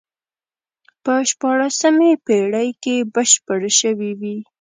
په شپاړسمې پېړۍ کې بشپړ شوی وي.